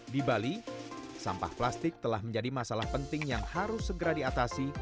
di bali sampah plastik telah menjadi masalah penting yang harus segera diatasi